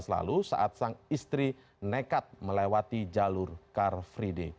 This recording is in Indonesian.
dua ribu lalu saat sang istri nekat melewati jalur car free day